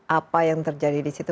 apa yang terjadi di situ